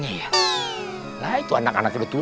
berani gua bts kauentar dulu